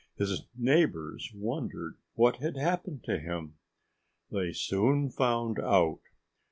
His neighbors wondered what had happened to him. They soon found out.